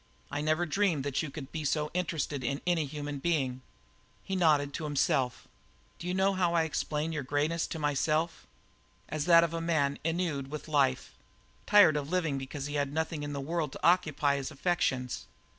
I never dreamed that you could be so interested in any human being." He nodded to himself. "Do you know how I explained your greyness to myself? As that of a man ennuied with life tired of living because he had nothing in the world to occupy his affections.